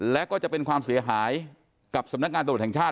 และก็จะเป็นความเสียหายกับสำนักงานตำรวจแห่งชาติ